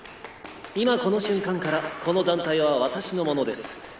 今この瞬間からこの団体は私のものです。